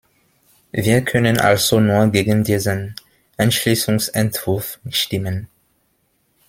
Wir können also nur gegen diesen Entschließungsentwurf stimmen.